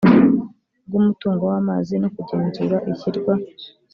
bw umutungo w amazi no kugenzura ishyirwa